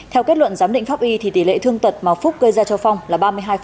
theo kết luận giám định pháp y thì tỷ lệ thương tật mà phúc gây ra cho phong là ba mươi hai